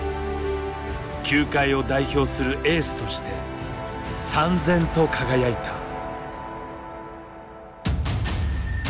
球界を代表するエースとしてさん然と輝いた。